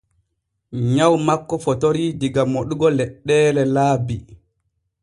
Nyaw makko fotorii diga moɗugo leɗɗeelee laabi.